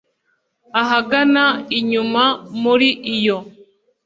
ahagana inyuma muri iyo